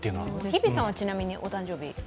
日比さんはちなみにお誕生日は？